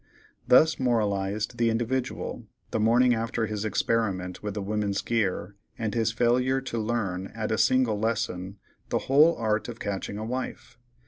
Thus moralized the "Individual," the morning after his experiment with the women's gear, and his failure to learn, at a single lesson, the whole art of catching a wife.